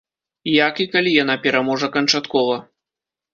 Як і калі яна пераможа канчаткова?